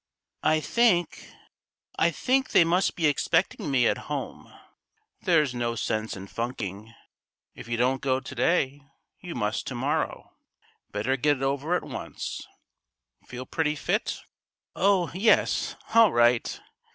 "I think I think they must be expecting me at home." "There's no sense in funking. If you don't go to day, you must to morrow. Better get it over at once. Feel pretty fit?" "Oh, yes; all right!"